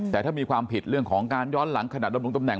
แต่ถ้ามีความผิดเรื่องของการย้อนหลังขณะดำรงตำแหน